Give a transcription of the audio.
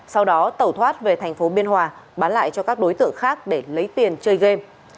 sau đó tẩu thoát về thành phố biên hòa bán lại cho các đối tượng khác để lấy tiền chơi game